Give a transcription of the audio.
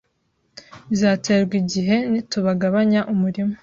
Bizatwara igihe nitugabanya umurima.